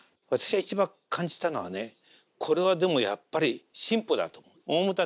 私が一番感じたのはねこれはでもやっぱり進歩だと思う。